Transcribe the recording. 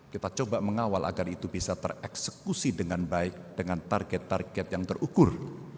kita coba mengawal agar itu bisa tereksekusi dengan baik dengan target target yang terukur